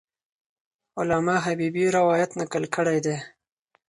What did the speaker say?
علامه حبیبي روایت نقل کړی دی.